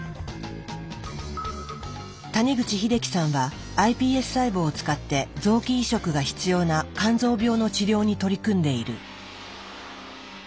谷口英樹さんはｉＰＳ細胞を使って臓器移植が必要な肝臓病の治療に取り組んでいる。